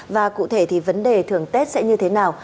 và cụ thể thì vấn đề thường tết sẽ như thế nào